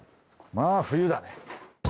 まぁ冬だね。